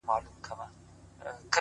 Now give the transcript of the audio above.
خير دی زه داسي یم چي داسي نه وم